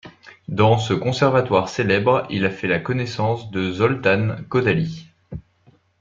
Dans ce conservatoire célèbre, il fait la connaissance de Zoltan Kodaly.